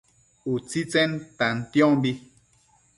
utsitsen tantiombi